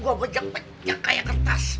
gua becek becek kaya kertas